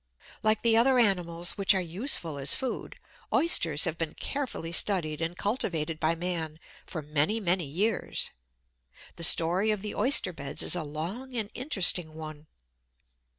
Like the other animals which are useful as food, Oysters have been carefully studied and cultivated by man for many, many years. The story of the Oyster beds is a long and interesting one.